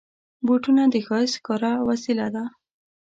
بوټونه د ښایست ښکاره وسیله ده.